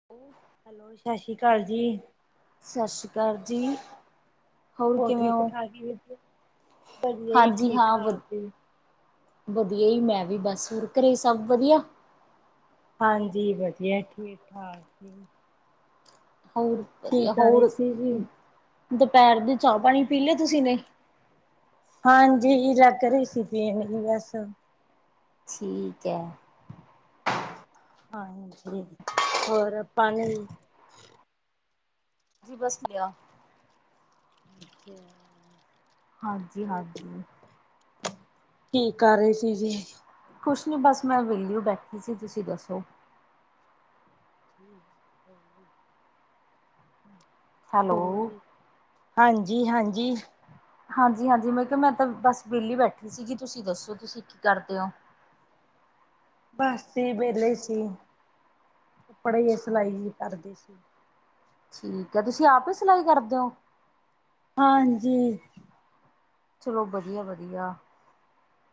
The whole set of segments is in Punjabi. ਉਹਫ ਹੈਲੋ ਸ਼ਸ਼ਰੀ ਕਾਲ ਜੀ। ਸਸੀ ਕਾਲ ਜੀ। ਹੋਰ ਕਿਵੇਂ ਹੋ? ਠੀਕ-ਠਾਕ ਜੀ ਵਧੀਆ, ਵਧੀਆ ਜੀ ਹਾਂਜੀ ਹਾਂ ਵ ਠੀਕ-ਠਾਕ। ਵਧੀਆ ਜੀ। ਮੈਂ ਵੀ ਬਸ। ਹੋਰ ਘਰੇ ਸਭ ਵਧੀਆ? ਹਾਂਜੀ ਵਧੀਆ ਠੀਕ-ਠਾਕ ਜੀ। ਹੋਰ ਕੀ ਵਧੀਆ। ਕਰ ਰਹੇ ਹੋਰ, ਸੀ ਜੀ ਦੁਪਹਿਰ ਦੀ ਚਾਹ-ਪਾਣੀ ਪੀ ਲਿਆ ਤੁਸੀਂ ਨੀ? ਹਾਂਜੀ, ਲੱਗ ਰਹੇ ਸੀ ਪੀਣ ਜੀ ਬਸ। ਠੀਕ ਐ। ਹਾਂਜੀ, ਹੋਰ ਪਾਨੀ। ਜੀ ਬਸ ਪਿਆ। ਅੱਛਾ ਹਾਂਜੀ- ਹਾਂਜੀ। ਕੀ ਕਰ ਰਹੇ ਸੀ ਜੀ? ਕੁਛ ਨੀ ਬਸ ਮੈਂ ਵਿਹਲੀ ਬੈਠੀ ਸੀ। ਤੁਸੀਂ ਦੱਸੋ? ਹਮ ਸਬਜ਼ੀ ਹੋਰ, ਹੈਲੋ ਹਾਂਜੀ- ਹਾਂਜੀ ਹਾਂਜੀ -ਹਾਂਜੀ ਮੈਂ ਕਿਹਾ ਮੈਂ ਤਾਂ ਬਸ ਵਿਹਲੀ ਬੈਠੀ ਸੀਗੀ ਤੁਸੀਂ ਦੱਸੋ ਤੁਸੀਂ ਕੀ ਕਰਦੇ ਓ? ਬਸ ਵਿਹਲੇ ਸੀ, ਕੱਪੜੇ ਜੇ ਅੱਛਾ ਸਿਲਾਈ ਕਰਦੀ ਸੀ। ਠੀਕ ਐ, ਤੁਸੀਂ ਆਪ ਹੀ ਸਿਲਾਈ ਕਰਦੇ ਓ। ਹਾਂਜੀ ਚਲੋ ਵਧੀਆ- ਵਧੀਆ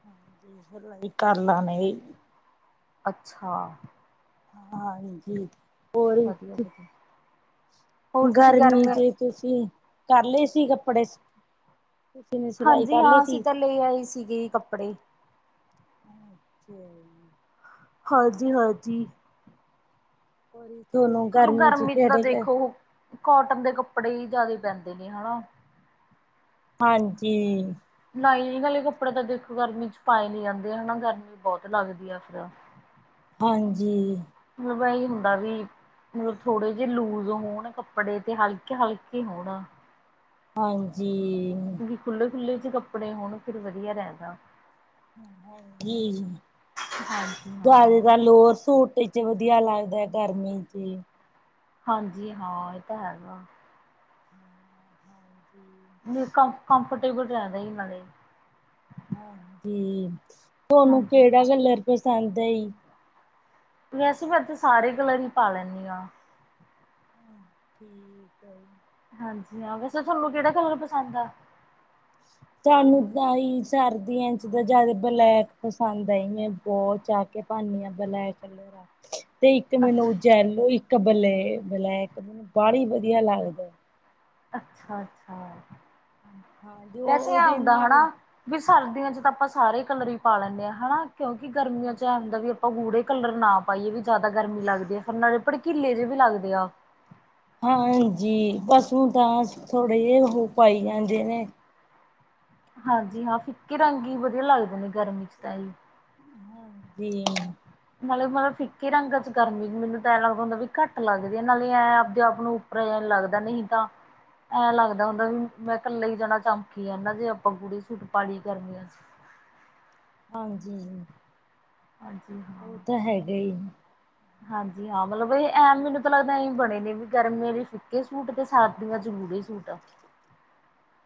ਹਾਂਜੀ, ਸਿਲਾਈ ਕਰ ਲੈਣੀ ਅੱਛਾ ਹਾਂਜੀ ਹੋਰ ਵਧੀਆ- ਵਧੀਆ ਹੋਰ ਤੁਸੀਂ ਗਰਮੀ ਗਰਮੀਆਂ 'ਚ ਤੁਸੀਂ, ਕਰ ਲਏ ਸੀ ਕੱਪੜੇਸ ਹਾਂਜੀ ਹਾਂ, ਅਸੀਂ ਤੇ ਲੈ ਆਏ ਸੀਗੇ ਕੱਪੜੇ ਅੱਛਾ ਜੀ ਹਾਂਜੀ -ਹਾਂਜੀ ਉਹੀ ਦੋਨੋਂ ਹੁਣ ਗਰਮੀ 'ਚੋਂ ਤਾਂ ਦੇਖੋ, ਕੋਟਨ ਦੇ ਕੱਪੜੇ ਹੀ ਜ਼ਿਆਦੇ ਪੈਂਦੇ ਨੇ ਹਨਾ ਹਾਂਜੀ ਨਹੀਂ ਇਹ ਵਾਲੇ ਕੱਪੜੇ ਤਾਂ ਦੇਖੋ ਗਰਮੀ 'ਚ ਪਾਏ ਨੀ ਜਾਂਦੇ ਹਨਾ, ਗਰਮੀ ਬਹੁਤ ਲੱਗਦੀ ਆ ਫੇਰ ਹਾਂਜੀ ਵਈ ਹੁੰਦਾ ਵੀ ਹੋਰ ਥੋੜੇ ਜੇ ਲੂਜ ਹੋਣ, ਕੱਪੜੇ ਤੇ ਹਲਕੇ- ਹਲਕੇ ਹੋਣ। ਹਾਂਜੀ ਖੁੱਲ੍ਹੇ ਖੁੱਲ੍ਹੇ ਜੇ ਕੱਪੜੇ ਹੋਣ ਫਿਰ ਵਧੀਆ ਰਹਿੰਦਾ [unintelligible] ਹਾਂਜੀ ਜ਼ਿਆਦਾ ਹਾਂ। ਤੇ ਲੋਰ ਸੂਟ [unintelligible] ਚ ਵਧੀਆ ਲੱਗਦਾ ਗਰਮੀ ਚ ਹਾਂਜੀ ਹਾਂ ਇਹ ਤਾਂ ਹੈਗਾ ਹਾਂਜੀ [inaudible] ਕਮ ਕਫ ਕੰਫੇਟੇਬਲ ਰਹਿੰਦਾ ਜੀ [unintelligible] ਨਾਲੇ ਹਾਂਜੀ ਤੁਹਾਨੂੰ ਹਾਂਜੀ। ਕਿਹੜਾ ਕਲਰ ਪਸੰਦ ਐ ਈ ਵੈਸੇ [unintelligible] ਸਾਰੇ ਕਲਰ ਹੀ ਪਾ ਲੈਨੀ ਆ ਠੀਕ ਹੈ [unintelligible] ਹਾਂਜੀ ਹਾਂ ਵੈਸੇ ਤੁਹਾਨੂੰ ਕਿਹੜਾ ਕਲਰ ਪਸੰਦ ਆ ਸਾਨੂੰ ਤਾ ਹੀ ਸਰਦੀਆਂ ਚ ਤਾਂ ਜ਼ਿਆਦੇ ਬਲੈਕ ਪਸੰਦ ਐ [unintelligible] ਪਾਨੀ ਆ ਬਲੈਕ ਕਲਰ ਆ [unintelligible] ਤੇ ਇੱਕ ਮੈਨੂੰ ਉ ਜੈਲੋ ਇੱਕ ਬਲੈ ਬਲੈਕ ਮੈਨੂੰ ਬਾਹਲਾ ਹੀ ਵਧੀਆ ਲੱਗਦੇ ਅੱਛਾ -ਅੱਛਾ ਹਾਂਜੀ ਉਹ ਉਹਦੇ ਨਾਲ [unintelligible] ਵੀ ਸਰਦੀਆਂ ਚ ਤਾਂ ਆਪਾਂ ਸਾਰੇ ਕਲਰ ਹੀ ਪਾ ਲੈਂਨੇ ਆ ਹਨਾ ਕਿਉਂਕਿ ਗਰਮੀਆਂ ਚ ਐ ਹੁੰਦਾ ਵੀ ਆ ਗੂੜੇ ਕਲਰ ਨਾ ਪਾਈਏ ਵੀ ਜ਼ਿਆਦਾ ਗਰਮੀ ਲੱਗਦੀ ਫਿਰ ਨਾਲੇ ਭੜਕੀਲੇ ਜੇ ਵੀ ਲੱਗਦੇ ਆ ਹਾਂਜੀ ਬਸ ਹੁਣ ਤਾਂ ਥੋੜੇ ਜੇ ਉ ਪਾਈ ਜਾਂਦੇ ਨੇ ਹਾਂਜੀ ਹਾਂ ਫਿੱਕੇ ਰੰਗ ਹੀ ਵਧੀਆ ਲੱਗਦੇ ਨੇ ਗਰਮੀ ਚ ਤਾਂ ਜੀ। ਹਾਂਜੀ ਨਾਲੇ ਮਲ ਫਿੱਕੇ ਰੰਗਾ ਚੋਂ ਕਰਨ [unintelligible] ਵੀ ਮੈਨੂੰ ਤਾਂ ਐ ਲੱਗਦਾ ਹੁੰਦਾ ਵੀ ਲੱਦੀ ਆ ਨਾਲੇ ਇਹ ਆਪਦੇ ਆਪ ਨੂੰ [unintelligible] ਲੱਗਦਾ ਨਹੀਂ ਤਾਂ ਐਂ ਲੱਗਦਾ ਹੁੰਦਾ ਵੀ ਮੈਂ ਕੱਲਾ ਹੀ ਜਾਣਾ ਚਮਕੀ ਜਾਨਾ ਜੇ ਆਪਾਂ ਗੂੜੇ ਸੂਟ ਪਾ ਲੀਏ ਗਰਮੀਆਂ ਚ ਹਾਂਜੀ ਹਾਂਜੀ ਹਾਂ ਇਹ ਤਾਂ ਹੈਗਾ ਈ ਹਾਂਜੀ ਹਾਂ ਮਤਲਬ ਇਹ ਐਮ ਮੈਨੂੰ ਤਾਂ ਲੱਗਦਾ ਐਂ ਬਣੇ ਨੇ ਵੀ ਗਰਮੀਆਂ ਫੀ ਫੀਕੇ ਸੂਟ ਤੇ ਸਰਦੀਆਂ ' ਚ ਗੁੜ੍ਹੇ [unintelligible] ਸੂਟ।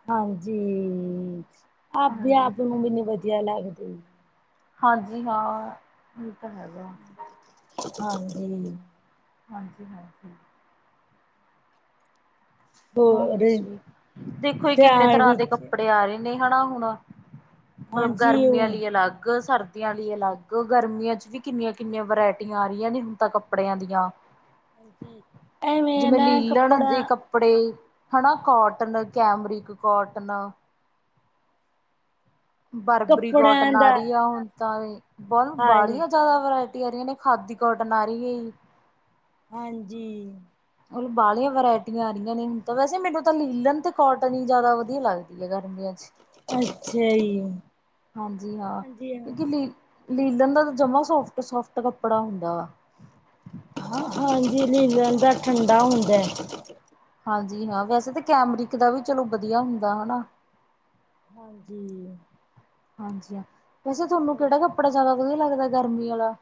ਹਾਂਜੀ ਆਪਦੇ ਹਾਂਜੀ ਆਪ ਨੂੰ ਵੀ ਨੀ ਵਧੀਆ ਲੱਗਦੇ ਹਾਂਜੀ ਹਾਂ ਇਹ ਤਾਂ ਹੈਗਾ ਹਾਂਜੀ। ਹਾਂਜੀ ਹੋਰ ਦੱਸੋ ਜੀ ਦੇਖੋ ਈ ਕਿੰਨੇ ਸਿਆਲ ਤਰ੍ਹਾਂ ਦੇ ਵਿੱਚ ਕੱਪੜੇ ਆ ਰਹੇ ਨੇ ਹੈਣਾ ਹੁਣ ਮਲਬ ਹਾਂਜੀ ਗਰਮੀਆਂ ਉਹ ਲਈ ਅਲੱਗ ਸਰ ਦੀਆਂ ਲਈ ਅਲੱਗ ਗਰਮੀਆਂ ਚ ਵੀ ਕਿੰਨੀਆਂ ਕਿੰਨੀਆਂ ਵਰਾਇਟੀਆਂ ਆ ਰਹੀਆਂ ਨੇ ਹੁਣ ਤਾਂ ਕੱਪੜਿਆਂ ਦੀਆਂ ਹਾਂਜੀ ਐਵੇਂ ਏ ਜਿਵੇਂ ਨਾ ਲੀਲਣ ਕੱਪੜਾ ਦੇ ਕੱਪੜੇ ਹਣਾ ਕੋਟਨ ਕੈਮਰਿਕ ਕੋਟਨ ਬਰਬਰੀ ਕੱਪੜਿਆਂ ਕੋਟਨ ਦਾ ਆਰੀ ਆ ਹੁਣ ਤਾਂ ਬਲ ਹਾਂ ਬਾਲੀਆਂ ਚ ਜ਼ਿਆਦਾ ਵਰਾਇਟੀ ਆ ਰਹੀਆ ਨੇ ਖਾਦੀ ਕੋਟਨ ਆ ਰੀ ਏ ਹਾਂਜੀ ਹਣ ਬਾਹਲੀਆਂ ਵਰਾਇਟੀਆਂ ਆ ਰਹੀਆਂ ਨੇ ਤਾਂ ਵੈਸੇ ਮੈਨੂੰ ਤਾਂ ਲੀਲਣ ਤ ਕੋਟਨ ਈ ਜਿਆਦਾ ਵਧੀਆ ਲੱਗਦੀ ਐ ਗਰਮੀਆਂ ਚ ਅੱਛਾ ਜੀ ਹਾਂਜੀ ਹਾਂ ਹਾਂਜੀ ਕਿਉਂਕਿ ਲੀ [unintelligible] ਲੀਲਣ ਦਾ ਤਾਂ ਜਮਾ ਸੋਫਟ ਸੋਫਟ ਕੱਪੜਾ ਹੁੰਦਾ ਆ ਹਾਂ ਹਾਂਜੀ ਲੀਲਣ ਦਾ ਠੰਡਾ ਹੁੰਦਾ ਐ ਹਾਂਜੀ ਹਾਂ ਵੈਸੇ ਤਾਂ ਕੈਮਰਿਕ ਦਾ ਵੀ ਚਲੋ ਵਧੀਆ ਹੁੰਦਾ ਹਨਾ ਹਾਂਜੀ। ਹਾਂਜੀ ਹਾਂ, ਵੈਸੇ ਤੁਹਾਨੂੰ ਕਿਹੜਾ ਕੱਪੜਾ ਜ਼ਿਆਦਾ ਵਧੀਆ ਲੱਗਦਾ ਗਰਮੀ ਆਲਾ,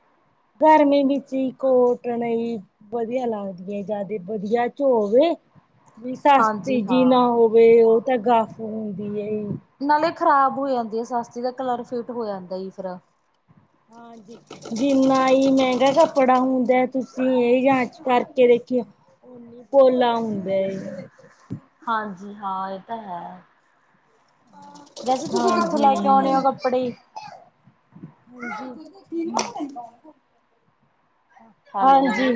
ਗਰਮੀ ਵਿੱਚ ਹੀ ਕੋਟਨ ਹੀ। ਵਧੀਆ ਲੱਗਦੀ ਆਂ ਜ਼ਿਆਦੇ ਵਧੀਆ 'ਚ ਹੋਵੇ। ਵੀ ਸਸਤੀ ਹਾਂਜੀ ਜੀ ਨਾ ਹਾਂ ਹੋਵੇ, ਉਹ ਤਾਂ ਗਫ ਹੁੰਦੀ ਐ ਜੀ, ਨਾਲੇ ਖ਼ਰਾਬ ਹੋ ਜਾਂਦੀ ਹੈ, ਸਸਤੀ ਦਾ ਕਲਰ ਫੇਟ ਹੋ ਜਾਂਦਾ ਈ ਫਿਰ, ਹਾਂਜੀ। ਜਿੰਨਾ ਹੀ ਮਹਿੰਗਾ ਕੱਪੜਾ ਹੁੰਦਾ ਤੁਸੀਂ ਇਹੀ ਜਾਂਚ ਕਰਕੇ ਦੇਖੀਓ। ਪੋਲਾ ਹੁੰਦਾ ਏ। ਹਾਂਜੀ ਹਾਂ, ਇਹ ਤਾਂ ਹੈ। ਵੈਸੇ ਤੁਸੀਂ ਕਿੱਥੋਂ ਹਾਂਜੀ ਲੈ ਕੇ ਆਉਣੇ ਔ ਕੱਪੜੇ ਹੈਲੋ ਹਾਂਜੀ।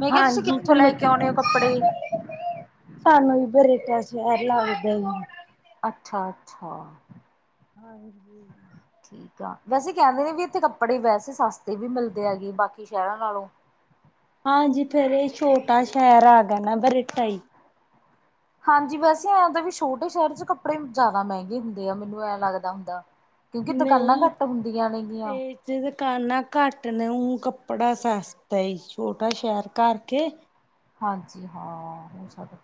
ਮੈਂ ਕਿਹਾ ਤੁਸੀਂ ਹਾਂਜੀ ਕਿੱਥੋਂ ਲੈ ਕਮ ਕੇ ਆਉਣੇ ਔ ਕੱਪੜੇ, ਸਾਨੂੰ ਵੀ ਬਰੈਡਾ ਸਵਾਦ ਲਗਦਾ ਜੀ। ਅੱਛਾ -ਅੱਛਾ। ਹਾਂਜੀ। ਠੀਕ ਆ ਵੈਸੇ ਕਹਿੰਦੇ ਨੇ ਵੀ ਇੱਥੇ ਕੱਪੜੇ ਵੈਸੇ ਸਸਤੇ ਵੀ ਮਿਲਦੇ ਆਗੇ ਬਾਕੀ ਸ਼ਹਿਰਾਂ ਨਾਲੋਂ। ਹਾਂਜੀ ਫਿਰ ਇਹ ਛੋਟਾ ਸ਼ਹਿਰ ਹੈਗਾ ਨਾ ਬਰੇਟਾ ਜੀ। ਹਾਂਜੀ ਵੈਸੇ ਐ ਤਾਂ ਵੀ ਛੋਟੇ ਸ਼ਹਿਰ ਚ ਕੱਪੜੇ ਜ਼ਿਆਦਾ ਮਹਿੰਗੇ ਹੁੰਦੇ ਆ, ਮੈਨੂੰ ਐ ਲੱਗਦਾ ਹੁੰਦਾ। ਕਿਉਂਕਿ ਦੁਕਾਨਾਂ ਘੱਟ ਹੁੰਦੀਆਂ ਨੇ ਗੀਆਂ। ਜਿਹ ਦੁਕਾਨਾ ਘੱਟ ਨੇ, ਊ ਕੱਪੜਾ ਸਸਤਾ ਈ ਛੋਟਾ ਸ਼ਹਿਰ ਕਰਕੇ। ਹਾਂਜੀ ਹਾਂ, ਉਹ ਸਭ,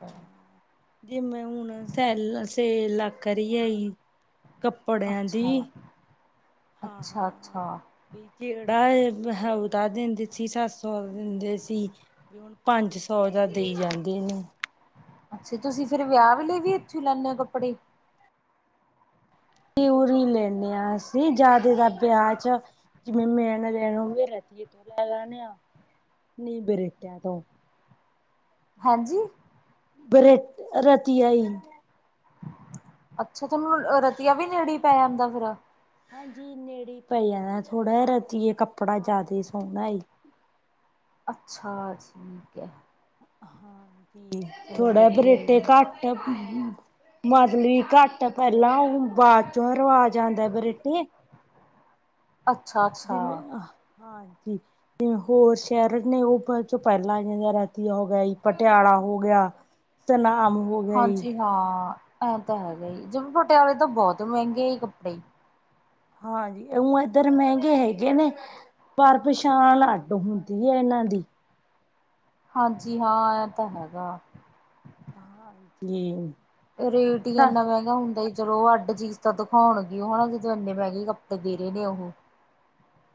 ਜਿਵੇਂ ਹੁਣ ਸੈਲ ਸੇਲ ਲੱਗ ਰਹੀ ਹੈਗੀ, ਕੱਪੜਿਆਂ ਦੀ। ਅੱਛਾ ਹਾਂ ਅੱਛਾ- ਅੱਛਾ, ਹਾਂ ਜਿਹੜਾ ਬ ਉਹਦਾ ਦਿੰਦੇ ਸੀ ਸੱਤ ਸੌ ਦਿੰਦੇ ਸੀ। ਪੰਜ ਸੌ ਦਾ ਦੇਈ ਜਾਂਦੇ ਨੇ, ਅੱਛਾ, ਤੁਸੀਂ ਫਿਰ ਵਿਆਹ ਵੇਲੇ ਵੀ ਇੱਥੋਂ ਹੀ ਲੈਂਣੇ ਹੋ ਕੱਪੜੇ। ਤੇ ਉਰੀ ਹੀ ਲੈਂਣੇ ਹਾਂ ਅਸੀਂ ਜ਼ਿਆਦਾ ਦਾ ਵਿਆਹ ਚ, ਜਿਵੇਂ ਮੈਣ ਲੈਣ ਹੋਵੇ ਰਤੀਏ ਤੋਂ। ਲੈ ਲੈਣੇ ਆ, ਨੀ ਬਰੇਟਿਆ ਤੋਂ ਹਾਂਜੀ। ਬ੍ਰਟ ਰਾਤੀ ਆਈ ਐ। ਅੱਛਾ ਤੁਹਾਨੂੰ ਰਤੀਆ ਵੀ ਨੇੜੇ ਪੈ ਜਾਂਦਾ ਫੇਰ ਹਾਂਜੀ ਨੇੜੇ ਹੀ ਪਏ ਜਾਂਦਾ ਐ, ਥੋੜ੍ਹਾ ਜਾ ਰਤੀਏ ਕੱਪੜਾ ਜਿਆਦਾ ਸੋਹਣਾ ਜੀ ਅੱਛਾ ਠੀਕ ਐ। ਹਾਂਜੀ ਥੋੜਾ ਵਧੀਆ ਬਰੇਟੇ ਜੀ ਘੱਟ ਐ ਮਤਲਬੀ ਘੱਟ ਪਹਿਲਾਂ, ਬਾਅਦ ਚੋਂ ਰਿਵਾਜ ਆਉਂਦਾ ਬਰੇਟੇ ਅੱਛਾ। ਅੱਛਾ ਜਿਵੇਂ ਹਾਂ ਜੀ ਜਿਵੇ ਹੋਰ ਸ਼ਹਿਰ ਨੇ, ਉਹ ਚ ਪਹਿਲਾਂ ਰਤੀਆ ਹੋ ਗਿਆ ਪਟਿਆਲਾ ਹੋ ਗਿਆ ਤੇ ਧਨਾਮ ਹੋ ਗਿਆ ਜੀ ਹਾਂਜੀ ਹਾਂ ਐਂ ਤਾਂ ਹੈਗਾ ਹੀ, ਜਿਵੇਂ ਪਟਿਆਲੇ ਤੋਂ ਬਹੁਤ ਮਹਿੰਗੇ ਹੀ ਕੱਪੜੇ ਹਾਂਜੀ ਜੀ ਏ ਇੱਧਰ ਮਹਿੰਗੇ ਹੈਗੇ ਨੇ ਪਰ ਪਛਾਣ ਅੱਡ ਹੁੰਦੀ ਹੈ ਇਹਨਾਂ ਦੀ ਹਾਂਜੀ ਹਾਂ ਇਹ ਤਾਂ ਹੈਗਾ। [unintelligible] ਰੇਟ ਹੀ ਇੰਨਾ ਮਹਿੰਗਾ ਹੁੰਦਾ ਜੀ ਚਲੋ ਉਹ ਅੱਡ ਚੀਜ਼ ਤਾਂ ਦਿਖਾਉਣਗੇ ਉਹ ਹਨਾ ਜਦੋਂ ਇੰਨੇ ਮਹਿਗੇ ਕੱਪੜੇ ਦੇ ਰਹੇ ਨੇ ਉਹ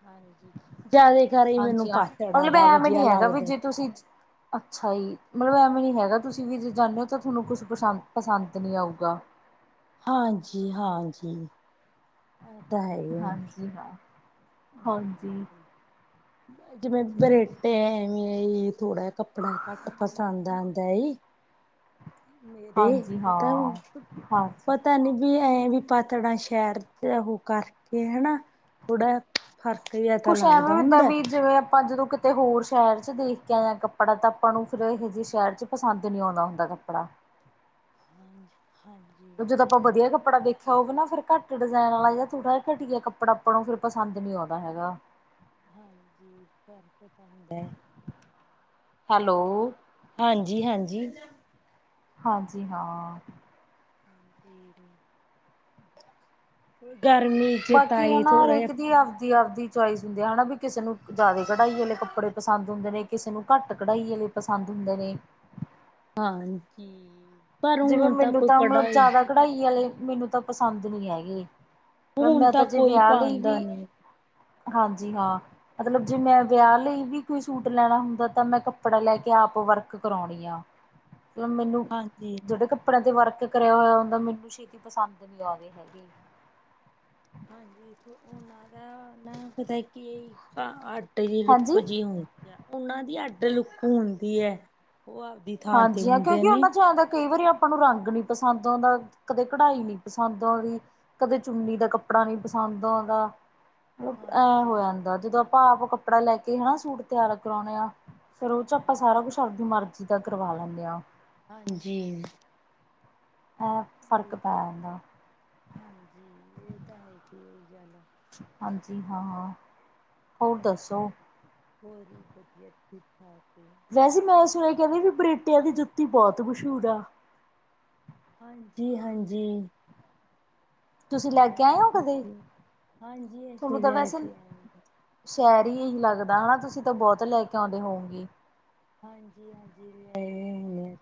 ਹਾਂਜੀ ਈ ਜ਼ਿਆਦੇ ਹਾਂਜੀ ਹਾਂ ਮਤਲਬ ਐਵੇਂ ਨੀ ਹੈਗਾ ਵੀ ਜੇ ਤੁਸੀਂ ਅੱਛਾ ਜੀ ਮਤਲਬ ਐਵੇਂ ਨੀ ਹੈਗਾ ਤੁਸੀਂ ਵੀ ਜੇ ਜਾਂਦੇ ਹੋ ਤਾਂ ਤੁਹਾਨੂੰ ਕੁਛ ਪਸੰ ਪਸੰਦ ਨਹੀਂ ਆਊਗਾ ਹਾਂਜੀ ਈ ਹਾਂਜੀ ਈ ਇਹ ਤਾਂ ਹੈ ਹੀ ਆ ਹਾਂਜੀ ਹਾਂ ਹਾਂਜੀ ਹਹ ਜਿਵੇਂ ਬਰੇਟੇ ਐਵੇਂ ਥੋੜਾ ਜ ਕੱਪੜਾ ਘੱਟ ਪਸੰਦ ਆਉਂਦਾ ਈ ਮੇਰੇ ਹਾਂਜੀ ਪਤਾ ਹਾਂ ਹਾਂਜੀ ਪਤਾ ਨੀ ਵੀ ਐਂ ਵੀ ਪਾਤੜਾ ਸ਼ਹਿਰ ਚ ਉਹ ਕਰਕੇ ਹਨਾ ਥੋੜਾ ਫਰਕ ਹੇ ਕੁਛ ਐਵੇ ਵੀ ਉੱਦਾਂ ਵੀ ਜਿਵੇਂ ਆਪਾ ਆਪਾਂ ਜਦੋਂ ਕਿਤੇ ਹੋਰ ਸ਼ਹਿਰ ਚ ਦੇਖ ਕੇ ਆ ਕੱਪੜਾ ਤਾਂ ਆਪਾਂ ਨੂੰ ਫਿਰ ਇਹੋ ਜਿਹੇ ਸ਼ਹਿਰ ਚ ਪਸੰਦ ਨਹੀਂ ਆਉਦਾ ਹੁੰਦਾ ਕੱਪੜਾ ਹਾਂਜੀ ਹਾਂਜੀ ਈ ਜਦੋਂ ਆਪਾਂ ਵਧੀਆ ਕੱਪੜਾ ਦੇਖ ਉਹ ਵੀ ਨਾ ਫਿਰ ਘੱਟ ਡਿਜ਼ਾਇਨ ਵਾਲਾ ਥੋੜਾ ਜਿਹਾ ਘਟੀਆ ਕੱਪੜ ਆਪਾਂ ਫਿਰ ਪਸੰਦੀ ਆਉਂਦਾ ਹੈਗਾ ਹਾਂਜੀ ਈ ਫੇਰ ਪਸੰਦ ਹੈਲੋ ਹਾਂਜੀ ਈ ਹਾਂਜੀ ਈ ਹਾਂਜੀ ਈ ਹਾਂ। ਗਰਮੀ ਚ ਤਾਂ ਬਾਕੀ ਆ ਹੀ ਨਾ ਥੋੜਾ ਹਰੇਕ ਜਿਹਾ ਦੀ ਆਵਦੀ ਆਵਦੀ ਚੋਇਸ ਹੁੰਦੇ ਆ ਹਨਾ ਵੀ ਕਿਸੇ ਨੂੰ ਜ਼ਿਆਦਾ ਕਢਾਈ ਵਾਲੇ ਕੱਪੜੇ ਪਸੰਦ ਹੁੰਦੇ ਨੇ ਕਿਸੇ ਨੂੰ ਘੱਟ ਕਢਾਈ ਵਾਲੇ ਪਸੰਦ ਹੁੰਦੇ ਨੇ ਹਾਂਜੀ ਈ ਜੀ ਜਿਵੇਂ ਮੈਨੂੰ ਤਾਂ ਮਤਲਬ ਜ਼ਿਆਦਾ ਕਢਾਈ ਵਾਲੇ ਮੈਨੂੰ ਤਾਂ ਪਸੰਦ ਨਹੀਂ ਹੈਗੇ। ਮ ਹੁਣ ਮੈਂ ਤਾਂ ਜੇ ਕੋਈ ਵਿਆਹ ਲਈ ਪਾਉਂਦਾ ਵੀ ਨੀ ਹਾਂਜੀ ਈ ਹਾਂ ਮਤਲਬ ਜੇ ਮੈਂ ਵਿਆਹ ਲਈ ਵੀ ਕੋਈ ਸੂਟ ਲੈਣਾ ਹੁੰਦਾ ਤਾਂ ਮੈਂ ਕੱਪੜਾ ਲੈ ਕੇ ਆਪ ਵਰਕ ਕਰਾਉਣੀ ਮਤਲਬ ਮੈਨੂੰ ਹਾਂਜੀ ਈ ਜਿਹੜੇ ਕੱਪੜਿਆਂ ਤੇ ਵਰਕ ਕਰਿਆ ਹੋਇਆ ਹੁੰਦਾ ਮੈਨੂੰ ਛੇਤੀ ਪਸੰਦ ਨੀ ਆਦੇ ਹੈਗੇ ਹਾਂਜੀ ਈ ਉਹਨਾ ਦਾ ਨਾ ਪਤਾ ਕਿ ਕਈ ਲੁੱਕ ਹਾਂਜੀ ਜਿਹੀ ਹੁੰਦੀ ਆ ਉਹਨਾਂ ਦੀ ਅੱਡ ਲੁੱਕ ਹੁੰਦੀ ਐ ਉਹ ਆਪਦੀ ਥਾਂ ਤੇ ਹਾਂਜੀ ਈ ਹ ਹੁੰਦੇ ਕਿਉਕਿ ਨੇ ਉਹਨਾ ਚ ਆਦਾ ਕਈ ਵਾਰੀ ਆਪ ਆਪਾ ਨੂੰ ਰੰਗ ਨੀ ਪਸੰਦ ਆਉਦਾ ਕਦੇ ਕਢਾਈ ਨੀ ਪਸੰਦ ਆਉਦੀ ਕਦੇ ਚੁੰਨੀ ਦਾ ਕੱਪੜਾ ਨੀ ਪਸੰਦ ਆਉਦਾ ਐ ਹੋ ਹਾਂਜੀ, ਜਾਦਾ ਜਦੋ ਆਪਾ ਆਪ ਕੱਪੜਾ ਲੈ ਕੇ ਹਨਾ ਸੂਟ ਤਿਆਰ ਕਰਾਉਣੇ ਆ ਫਿਰ ਉਹ ਚ ਆਪਾ ਸਾਰਾ ਹਾਂਜੀ, ਕੁਛ ਆਪਦੀ ਮਰਜੀ ਦਾ ਕਰਵਾ ਲੈਨੇ ਆ ਹਾਂਜੀ ਈ ਅ ਫਰਕ ਤੇ ਹੈਗਾ ਹਾਜੀ ਇਹ ਤਾ ਹੈਗੀ ਇਹੀ ਗੱਲ ਹਾਂਜੀ ਈ ਹਾਂ ਹੋਰ ਦੱਸੋ ਹੋਰ ਜੀ ਵਧੀਆ ਠੀਕ ਠਾਕ ਵੈਸੇ ਮੈ ਸੁਣਿਆ ਕਹਿੰਦੇ ਵੀ ਬਰੇਟਿਆ ਦੀ ਜੁੱਤੀ ਬਹੁਤ ਮਸ਼ਹੂਰ ਆ ਹਾਜੀ- ਹਾਜੀ। ਤੁਸੀਂ ਲੈ ਕੇ ਆਏ ਹੋ ਕਦੇ ਹਾਂਜੀ ਤੁਹਾਨੂੰ ਅਸੀ ਤਾਂ ਲੈ ਵੈਸੇ ਕੇ ਆਏ। ਸ਼ਹਿਰ ਇਹੀ ਲੱਗਦਾ ਹਨਾ ਤੁਸੀ ਤਾ ਬੋਤ ਲੈ ਕੇ ਆਂਉਦੇ ਹੋਊਗੇ। ਹਾਜੀ- ਹਾਜੀ ਗਏ ਹੋਏ ਆ।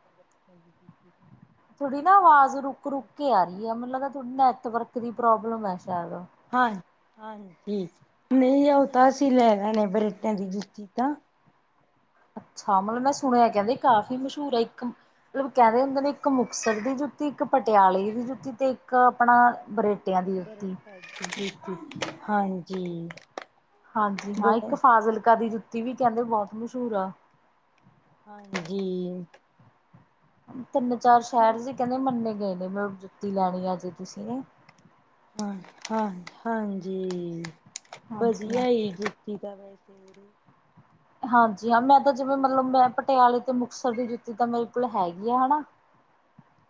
ਥੋੜੀ ਨਾ ਆਵਾਜ ਰੁਕ- ਰੁਕ ਕੇ ਆ ਰਹੀ ਐ, ਮਤਲਬ ਥੋਡੇ ਨੈੱਟਵਰਕ ਦੀ ਪ੍ਰੋਬਲਮ ਹੈ ਸ਼ਾਇਦ। ਹਾ ਹਾਂਜੀ ਨਹੀ ਉਹ ਤਾ ਅਸੀਂ ਲੈਣਾ ਆ ਬਰੇਟਿਆ ਦੀ ਜੁੱਤੀ ਤਾ। ਅੱਛਾ ਮਤਲਬ ਮੈ ਸੁਣਿਆ ਕਹਿੰਦੇ ਕਾਫੀ ਮਸ਼ਹੂਰ ਆ ਇੱਕ ਮਤਲਬ ਕਹਿ ਰਹੇ ਹੁੰਦੇ ਨੇ ਇੱਕ ਮੁਕਤਸਰ ਦੀ ਜੁੱ- ਤੀ, ਇੱਕ ਪਟਿਆਲੇ ਦੀ ਜੁੱਤੀ, ਤੇ ਇੱਕ ਆਪਣਾ ਬਰੇ- ਹਾਂਜੀ। ਹਾਜੀ ਹਾ ਬਹੁ ਇੱਕ ਫਾਜ਼ਿਲਕਾ ਦੀ ਜੁੱਤੀ ਵੀ ਕਹਿੰਦੇ ਬਹੋਤ ਮਸ਼ਹੂਰ ਆ। ਹਾਂਜੀ। ਤਿੰਨ- ਚਾਰ ਜੁੱਤੀਆਂ ਸ਼ਹਿਰ ਜੇ ਕਹਿੰਦੇ ਮੰਨੇ ਗਏ ਨੇ ਮਤਲਬ ਜੁੱਤੀ ਲੈਣੀ ਆ ਜੇ ਤੁਸੀ ਨਾ। ਹਾ- ਹਾ ਹਾਜੀ ਹਾਂਜੀ ਹਾਂ। ਵਧੀਆ ਈ ਏ ਜੁੱਤੀ ਤਾ ਵੈਸੇ। [inaudible] ਹਾਜੀ ਹਾ ਮੈ ਤਾ ਜਿਵੇ ਮਤਲਬ ਮੈ ਪਟਿਆਲੇ ਤੇ ਮੁਕਤਸਰ ਦੀ ਜੁੱਤੀ ਤਾ ਮੇਰੇ ਕੋਲ ਹੈਗੀ ਆ ਹਨਾ।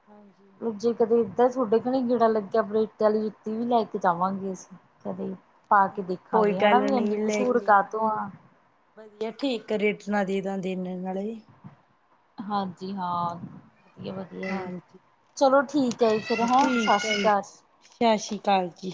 ਹਾਂਜੀ। ਜੇ ਕਦੇ ਇਧਰ ਤੁਹਾਡੇ ਘਣੇ ਗੇੜਾ ਲੱਗਿਆ ਬਰੇਟਾ ਆਲੀ ਜੁੱਤੀ ਵੀ ਲੈ ਕੇ ਜਾਵਾਗੇ ਅਸੀ, ਕਦੇ। ਪਾ ਕੇ ਕੋਈ ਦੇਖਾਗੇ ਹਨਾ ਗੱਲ ਵੀ ਨਹੀਂ ਇੰਨੀ ਲੈ ਮਸ਼ਹੂਰ ਕੇ ਕਾਹਤੋ ਜਾਇਓ ਆ। ਵਧੀਆ ਠੀਕ ਰੇਟ ਨਾ ਦੇ ਦੇਦੇ ਨੇ ਨਾਲੇ। ਹਾਂਜੀ ਹਾ। ਵਧੀਆ- ਵਧੀਆ ਜੀ ਹਾਂਜੀ ਚਲੋ ਠੀਕ ਹੈ ਜੀ ਫੇਰ ਹੈ, ਸਤਿ ਸ਼੍ਰੀ ਅਕਾਲ। ਸਾਸ਼ੀ ਕਾਲ ਜੀ।